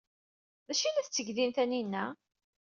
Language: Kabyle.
D acu ay la tetteg din Taninna?